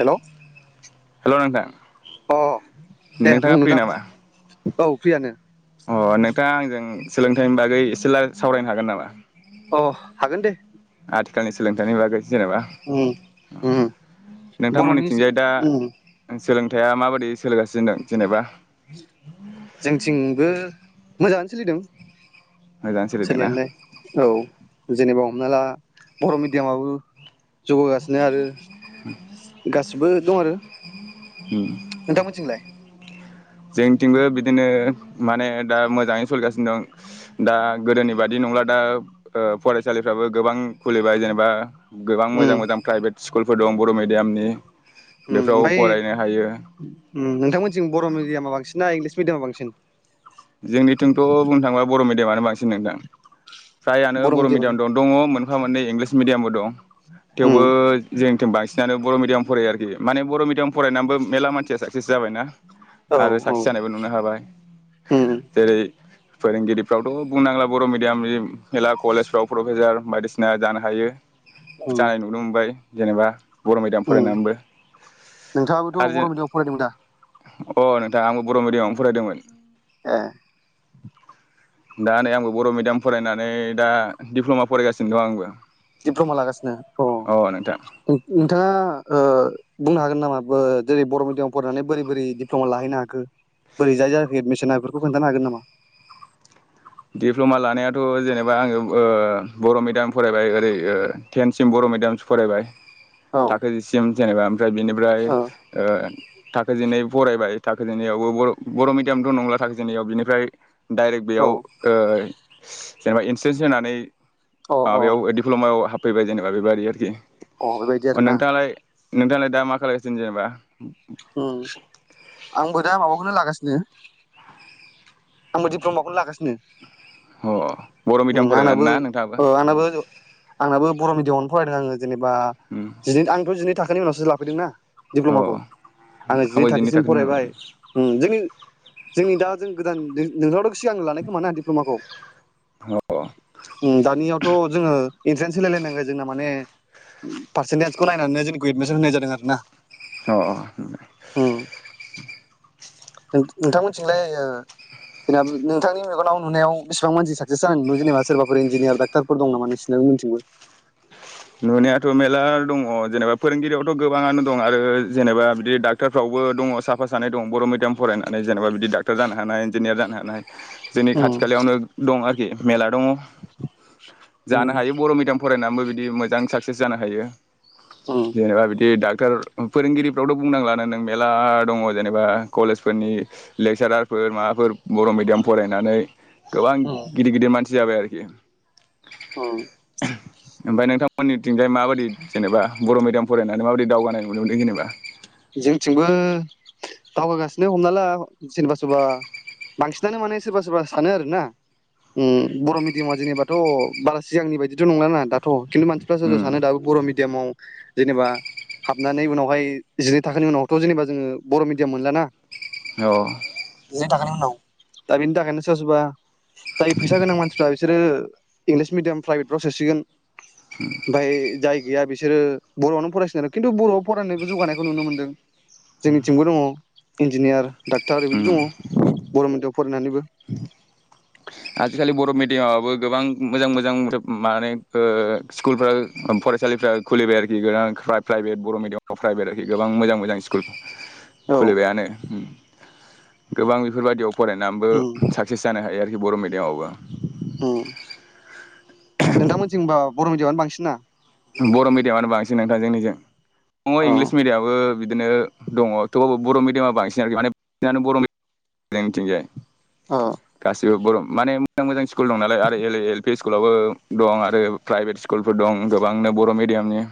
हेल' hello नोंथां अ दे नोंथाङा फ्रि बुंनोदां नामा नोंथां औ फ्रियानो । अ नोंथाङा आंजों सोलोंथाइनि बागै एसेल सावरायनो हागोन नामा? अ हागोन दे । आथिखालनि सोलोंथाइनि बागै । जेनेबा उम उम बर'नि नोंथांमोननिथिंजाय दा उम सोलोंथाइया माबायदि सोललिगासिनो दं जेनेबा? जोंथिंबो मोजाङानो सोलिदों । मोजाङै सोलिदोंना सोलिनायालाय औ जेनेबा हमना ला बर' मिडियामाबो जौगागासिनो आरो गासिबो दं आरो नोंथां मोनथिंलाय? जोंथिंबो बिदिनो माने दा मोजाङै सोलिगासिनो दं दा गोदोनि बादि नंला दा ओ फरायसालिफ्राबो गोबां खुलिबाय जेनेबा गोबां उम मोजां मोजां प्राइभेट स्कुलफोर दं बर' मिडियामनि । ओम ओमफ्राय नोंथांमोनसिं बर' मिडियामा बांसिन ना इंलिस मिडयामा बांसिन? जोंनिथिंथ' बुंनो थाङोबा बर' मिडियामानो बांसिन नोंथां । फ्रायआनो बर' मिडियाम द दङ । मोनफा मोननै इंलिस मिडियामबो दं । उम थेवबो जों थिं बांसिनानो बर' मिडियाम फरायो आरोखि माने बर' मिडियाम फरायनानैबो मेरला मानसिया साखसेस जाबायना औ । आरो औ साक्सेस जानायबो नुनो हाबाय । उम जेरै फोरोंगिरिफ्रावथ' बुंनांला बर' मिडियामनि । मेला कलेजफ्राव प्रफेसार बायदिसिना जानो हायो जानाय नुनो मोनबाय जेनेबा बर' मिडियाम ओम फरायनानैबो नोंथाङाबोथ' आरो जों बर' मिडियामाव फरायदोंमोन दा? अ नोंथाङा आंबो बर' मिडियामावनो फरायदोंमोन। ए दा नै आंबो बर' मिडियाम फरायनानै दा दिप्ल'मा फरायगासिनो दं आंबो। दिप्ल'मा ला गासिनो अ उम उम नोंथाङा ओ बुंनो हागोन नामा बो जेरै बर' मिडियामाव फरायनानै बोरै बोरै डिप्ल'मा लाहैनो हाखो बोरै जाय जायाखै एडमिसना बेफोरखौ खोन्थानो हागोन नामा दिप्ल'मा लानायाथ' जेनेबा आङो ओ बर' मिडियाम फरायबाय ओरै ओ टेनसिम बर' मिडियामसो फरायबाय औ थाखो जि सिम जेनेबा ओमफ्राय बेनिफ्राय ओ थाखो जिनै फरायबाय थाखो जिनैआवबो बर' बर' मिडियामथ' नंला थाखो जिनैआव बिनिफ्राय डाइरेक्ट औ बेयाव ओ जेनेबा इन्ट्रेन्स होनानै अ अ प्लमायाव हाबफैबाय जेनेबा बेबादि आरोखि बेबायदि अ आरो ना नोंथाङालाय नोंथाङालाय दा मा खालायसिनो जेनेबा उम आंबो दा माबाखौनो लागासिनो आंबो दिप्ल'माखौनो लागासिनो। अ बर' उम मिडियाम फरायनानै आंनाबो ना नोंथाङाबो अ आंनाबो आंनाबो बर' मिडियामावनो फराय आङो जेनेबा उम जिनै आंथ' जिनि थाखो खोनि उनावसो लाफैदों ना। अ दिप्ल'माखौ आङो जिनै आंबो थाखोसिम थाखोनि फरायबाय उम जोंनि जोंनि दा जों गोदान दों नोंथाङाथ सिगां लानाय खोमाना दिप्ल'माखौ उनाव अ उम दानियावथ' जोङो इन्ट्रेन्स होलायलायनांगो जोंना माने पारसेन्टेजखौ नायनानै जोंनिखौ एडमिसन होनाय जादों आरो ना। अ अ नों नोंथांमोनथिंलाय ओ जेनेबा नोंथांनि मेगनाव नुनायाव बेसेबां मानसि साकसेस जानाय नुयो जेनेबा सोरबाफोर इन्जिनियार डाक्टारफोर दं नामा नोंसिनिथिंबो। नुनायाथ' मेरला दङ जेनेबा फोरोंगिरियावथ' गोबाङानो दं आरो जेनेबा बिदि डाक्टरफ्रावबो दङ साफा सानै दं बर' मिडियाम फरायनानै जेनेबा बिदि डाक्टर जानो हानाय इन्जिनियार जानो हानाय। जोंनि उम खाथि खालायावनो दं आरो खि मेरला दङ। जानो उम हायो बर' मिडियाम फरायनानैबो बिदि मो जां साक्सेस जानो हायो। जेनेबा बिदि दा फोर फोरोंगिरिफ्रावथ' बुंनांलानो नों मेरला दङ'। जेनेबा कलेजफोरनि लेक्सारारफोर माबाफोर बर' मिडियाम फरायनानै गोबां उम गिदिर गिदिर मानसि जाबाय आरोखि। उम ओमफ्राय नोंथां मोननिथिंजाय माबायदि जेनेबा बर' मिडियाम फरायनानै माबायदि दावगानाय नुनो मोनदों जेनेबा? जोंथिंबो दावगागासिनो हमना ला जेनेबा सोरबा बांसिनानो माने सोरबा सोरबा सानो आरोना ओम बर' मिडियामा जेनेबाथ' बारा सिगांनि बायदिथ' नंलाना दाथ'। खिन्थु मानसिफ्रा सोरबा सोरबा उम सानो दाबो बर' मि डियामाव जेनेबा हाबनानै उनावहाय जिनै थाखोनि उनावथ' जेनेबा जोङो बर' मिडियाम मोनला ना। औ। जिनै थाखोनि उनाव दा बेनि थाखायनो सोरबा सोरबा जाय फैसा गोनां मानसिफ्रा बिसोरो इंलिस मिडियाम प्राइभेटफ्राव सोसिगोन। ओमफाय जाय गैया बिसोरो बर'आवनो फराय [unintelligible] खिन्थु बर'आव फरायनायबो जौगानाय खौ नुनो मोन्दों। जोंनिथिंबो दङ'। इन्जिनियार डाक्टार बिदि उम दङ' बर' मिडियाम फरायनानैबो। आजिखालि बर' मिडियामाबो गोबां मोजां मोजां माने ओ स्कुलफोरा फरायसालिफ्रा खुलिबाय आरोखि गोदान प्राइभेट बर' मिडियामाव प्राइभेट आरोखि गोबां मोजां मोजां स्कुल। औ खुलिबायानो उम। गोबां बेफोरबायदियाव फरायनाबो उम साक्सेस जानो हायो आरो बर' मिडियामावबो। ओं नोंथांमोनथिं होनबा बर' मिडियामानो बांसिन ना? बर' मिडियामानो बांसिन नोंथां जोंनिजों। अ इंलिस मिडियाबो बिदिनो दङ'।थेवबाबो बर' मिडियामा बांसिन आरोखि माने बांसिनानो बर' मिडियाम जोंनिथिंजाय। अ गासिबो बर' माने मोजां मोजां स्कुल दं नालाय आरो एरै एल पि स्कुलावबो दं आरो प्राइभेट स्कुलफोर दं । बेव गोबांनो बर' मिडियामनि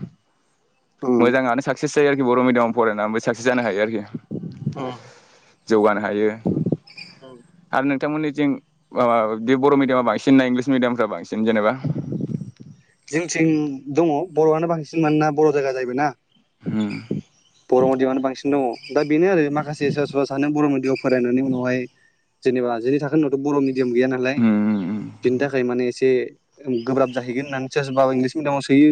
उम मोजाङानो साक्सेस जायो आरोखि बर' मिडयाम फरायनानैबो साक्सेस जानो हायो आरोखि। ओम जौगानो हायो। ओं आरो नोंथांमोननिथिं माबा बे बर' मिडियामा बांसिन ना इंलिस मिडियामफ्रा बांसिन जेनेबा? जोंनिथिं दङ बर'आनो बांसिन मानोना बर' जायगा जाहैबायना। ओम बर मेडियाम आंनो बांसिन दङ। दा बेनो आरो माखासे सोरबा सोरबा सानो बर मिडियामाव फरायनानै उनावहाय, जेनेबा जिनै थाखो उनावथ बर मिडिमि डियाम गैया नालाय उम बिनि थाखाय माने एसे गोब्राब जाहैगोन होन्नानै सोरबा सोरबा इंलिस मिडियामाव सोयो।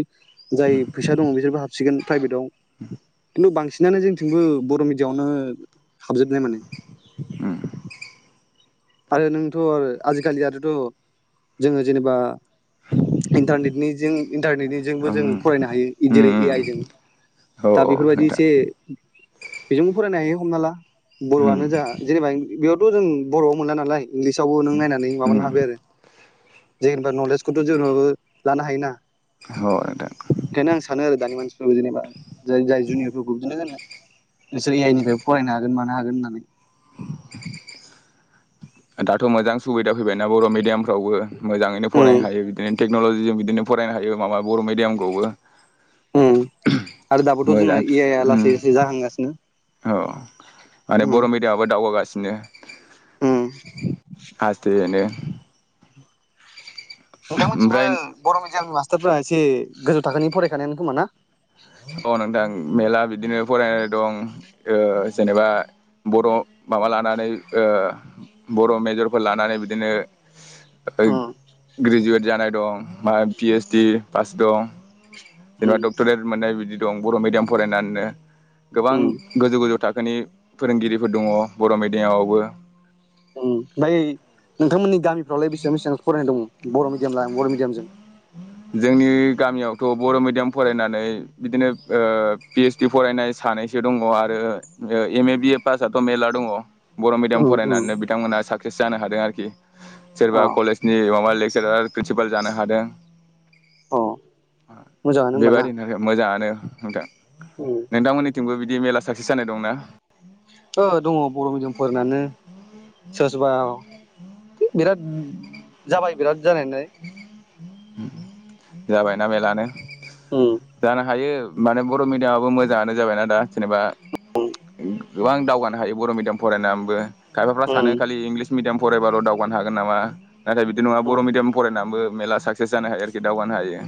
जाय फैसा दङ बिसोरबो हाबसिगोन। प्राइभेट आव। [inaudible] बांसिनानो जोंथिंबो बर मिडियामआवनो हाबजुबनाय माने। आरो नोंथ आरो आजिखालियाथ जोङो जेनेबा इन्टारनेटनिजों इन्टारनेटनिजोंबो उम जोङो फरायनो हायो उम जेरै ए उम आइ जों औ दा बेफोरबायदि नोंथां एसे बेजोंबो फरायनो हायो हमना ला। उम बरआनो जा जेनेबा बेयाव जों बर मोनला नालाय इंलिसावबो नों नायनानै माबानो उम हाबाय आरो। जेनेबा नलेजखौथ जोंबो लानो हायोना। औ नोंथां बेखायनो आं सानो आरो दानि मानसि। औ जेनेबा। जाय जाय जुनियर फोरखौ बिदिनो होनो। नोंसोर ए आइ निफ्रायबो फरायनो हागोन मानो हागोन होननानै। [inaudible] दाथ मोजां सुबिदा फैबायना बर मिडियामफ्रावबो। मोजाङैनो उम फरायनो हायो बिदिनो। टेक्नलजिजों बिदिनो फरायनो हायो माबा बर मिडियामखौबो। आरो दाबोथ जोंना मोजां ए आइया उम लासै लासै औ जाहांगासिनो। बिदिनो उम आसथेयैनो ओमफ्राय नोंथांमोनथिंबो बर' मिडियामनि मास रफ्रा एसे गोजौ थाखोनि फरायखानायानो खोमा ना? औ नोथां मेलला बिदिनो फरायनाय दं ओ जेनेबा बर' माबा लानानै बर' मेजरफोर लानानै बिदिनो ओग उम ग्रेजुवेट जानाय दं मा पि ओइस डि पास दं जेनबा उम डक्टरेत मोननाय बि दं बर' मिडियाम फरायनानैनो गोबां उम गोजौ गोजौ थाख नि फोरोंगिरिफोर दङ बर' मिडियामावबो। ओमफाय नोंथांमोननि गामिफ्रावलाय बेसेबां बेसेबांसो फरायनाय दङ बर' मिडियाम ला बर' मिडियामजों? जोंनि गामियावथ' बर' मिडियाम फरायनानै बिदिनो पि ओइस डि फरायनाय सानैसो दङ आरो एम ए बि ए पासआथ' मेरला दङ। बर' मिडियाम उम उम फरायनानैनो बिथांमोना साख सेस जानो हादों आरोखि। सोरबा अ कलेजनि माबा लेग सोरबा प्रिनसिपाल जानो हादों। अ मा मोजाङानो होमबा ना बेबादिनो मोजाङानो। नोंथां। उम नोंथांमोनि जोंबो बिदि मेल्ला साक्सेस जानाय दंना। ओ दङ बर' मिडियाम फोरायनानो। सोरबा सोरबा है बिराद जाबाय बिराद। जानायनाय। जाबायना मेरलानो। उम जानो हायो। माने बर' मिडियामाबो मोजाङानो जाबायनाा दा जेनेबा। [unintelligible] गोबां दावगानो हायो बर' मिडियाम फरायनानैबो। खायफाफ्रा सानो उम खालि इंलिस मिडियाम। फरायबाल' दावगानो हागोन नामा? नाथाय बिदि नांआ बर' उम मिडयाम फ बो मेरला सागसेस जानो हायो आरोखि दावगानो हायो।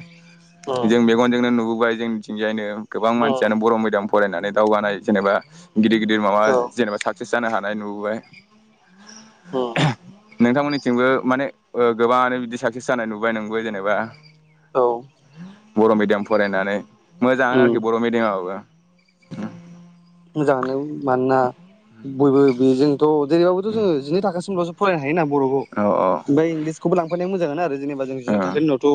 उम जों मेगनजोंनो नुबुग बाय जोंनिथिंजायनो। गोबां उम मानसियानो बर' मिडियाम फरायनानै दावगानाय जेनेबा। गिदिर गिदिर माबा औ जेनबा साकसेस जानो हा नाय नुबोबाय उम। नोंथांमोननिथिंबो माने ओ गोबाङानो बिदिसो साक्सेस जानाय नुबाय नोंबो जेनेबा औ बर' मिडियाम फरायनानै मोजांआनो उम आरोखि बर' मिडियामाबो मोजाङानो मानोना बयबो बेजों थ' जेरैबाबोथ जोङो जिनै थाखासिमल'सो फरायना हायो ना बर'खौ औ औ ओमफाय इंग्लिसखौबो लांफानाय आं मोजांआनो आरो जेनेबा जोङो जिनै ओं थाखोनि उनावथ'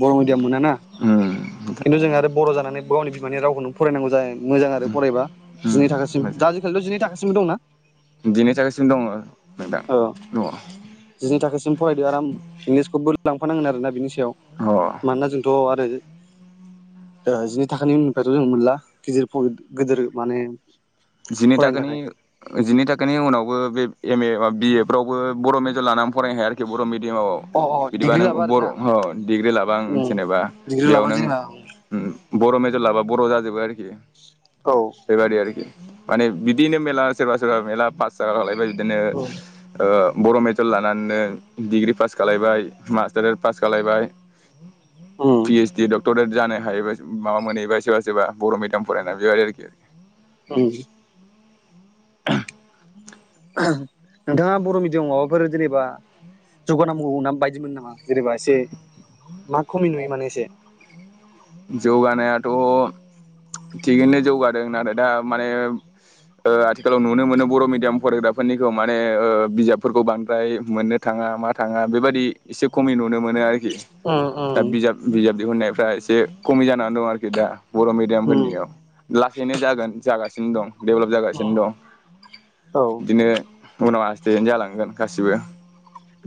बर' मेडियाम मोनाना उम खिन्थु जों आरो बर' जानानै गावनि बिमानि रावखौनो फरायनांगौ जाय मोजां आरो फरायबा उम जिनै थाखासिम दा मोजां आजिखालिथ' जिनै थाखोसिमबो दंना? जिनै थाखोसिम दङ नोंथां ओ दङ जिनै थाखोसिम फरायदो आराम इंग्लिसखौबो लांफानांगोन आरोना बिनि याव अ मानोना जोंथ' आरो ओ जिनै थाखोनि उननिफ्रायथ' जों मोनला गिदिर फ' गिदिर माने जिनै फरायनो थाखोनि थाखाय ओ जिनै थाखोनि उनावबो बे एम ए बा बि ए फ्रावबो बर' मेजर लानानै फरायनो हाया आरोखि बर' मे याव अ अ बिदिबा डिग्रि नों लाबा आरो बर' ना डिग्रि लाबा आं जेनेबा डिग्रि बेयाव लाबा नों जेनेबा उम बर' मेजर लाबा बर' जाजोबो आरोखि औ बेबायदि आरोखि माने बिदिनो मेला सोरबा सोरबा मेला पास जाखालायबाय बिदिनो ओ बर' मेजर लानानैनो डिग्रि पास खालायबाय मास्टारेर पास खालायबाय उम पिएसडी डक्टरेड जानो हायोबास माबा मोनहैबाय सोरबा सोरबा बर' मिडियाम फरायना बेबायदि आरोखि उम नोंथाङा बर' मिडियामाव माबाफोर जेनेबा जौगा नांबावगौ नां बायदि मोनो नामा जेनेबा एसे मा खमि नुयो माने एसे? जौगानायाथ' थिगैनो जौगादों नाथाय दा माने ओ आथिखालाव नुनो मोनो बर' मिडियाम फरायग्राफोरनिखौ माने ओ बिजाबफोरखौ बांद्राय मोननो थाङा मा थाङा बेबादि एसे खमि नुनो मोनो आरो उम दा उम बिजाब बिजाब दिहुनाय फ्रा एसे खमि जानानै दं आरोखि दा बर' मिडियामफोरनियाव उम लासैनो जागोन जागासिनो जं दं [inaudible] डेभलप जागासिनो दं औ बिदिनो उनाव आसस्टेयैनो जालांगोन गासिबो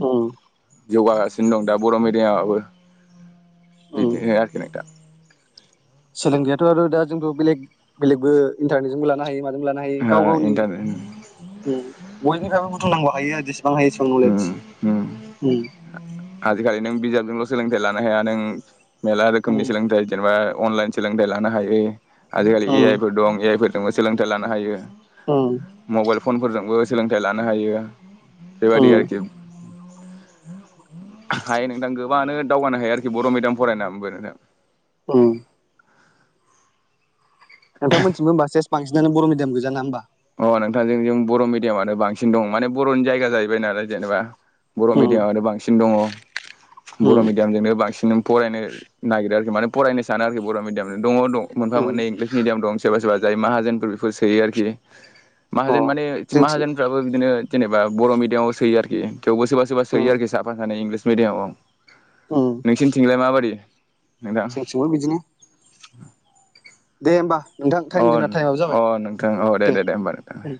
उम। जौगागासिनो दं दा बर' मिडियामाबो । बिदिनो आरोखि नोंथां सोलोंग्रायाथ' आरो दा जोंथ' बेलेग बेलेगबो इन्टारनेटजोंबो लानो हायो मा लानो हायो गाव ओ गावनि इन्टारनेट बयनिफ्रायबो बुलुनांगौ हायो उम इदिस उम [unintelligible] आजिखालि नों बिजाबजोंल' सोलोंथाइ लानो हाया नों मेला रोखोमनि उम सोलोंथाइ जेनेबा अनलाइन सोलोंथाइ लानो हायो आजिखालि ए उम आइ फोर दं ए आइ फोर दोंबो सोलोंथाइ लानो हायो उम। मबाइल फनफोरजोंबो सोलोंथाइ लानो हायो बेबायदि उम आरोखि हायो नोंथां गोबाडानो दावगानो हायो आरोखि बर' मिडियाम फरायनानैबो नोंथां उम। नोंथां मोनथिंबो होनबा सेस बांसिनानो बर' मिडियाम गोजा ना होनबा। अ नोंथांजों जोंनिजों बर' मिडियामानो बांसिन दं माने बर'नि जायगा जाहैबाय नालाय जेनेबा बर' उम मिडियामानो बांसिन दङ बर' उम मिडियामजोंनो बांसिन फरायनो नागिरो आरोखि मानो फरायनो सानो आरोखि बर' मिडियामजों दङ दं मोनफा उम मोननै इंलिस मिडियाम दं सोरबा सोरबा जाय माहाजोनफोर बेफोर सोयो आरोखि अ माहाजोन माने जोंथिं माहाजोनफ्राबो बिदिनो जेनेबा बर' मिडियामाव सोयो आरोखि थवबो सोबा सोबा सोयो उम आरोखि साफा सानै इंलिस मेडियामाव नोंसिनिथिलाय माबादि नोंथां जोंनिथिंबो बिदिनो दे होमबा नोंथां अ टाइम जोंना टाइमाबो अ जाबाय नोंथां अ दे दे दे होमबा नोंथां दे उम।